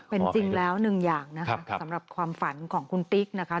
เป็นจริงแล้วหนึ่งอย่างนะคะสำหรับความฝันของคุณติ๊กนะคะ